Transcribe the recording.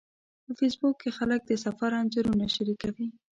په فېسبوک کې خلک د سفر انځورونه شریکوي